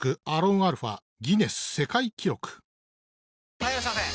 ・はいいらっしゃいませ！